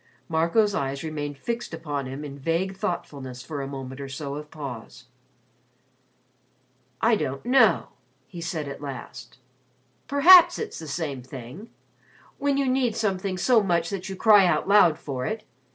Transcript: Marco's eyes remained fixed upon him in vague thoughtfulness for a moment or so of pause. "I don't know," he said at last. "Perhaps it's the same thing when you need something so much that you cry out loud for it.